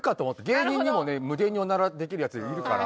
芸人にもね無限におならできるヤツいるから。